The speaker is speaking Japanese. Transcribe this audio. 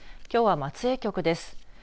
きょうは松江局です。